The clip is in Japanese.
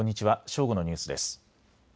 正午のニュースです。